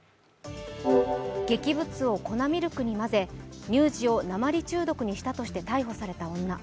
劇物を粉ミルクに混ぜ、乳児を鉛中毒にしたとして逮捕された女。